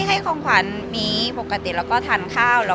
ฝักเนื้อฝักตัวไปในตัวได้ไหมคะ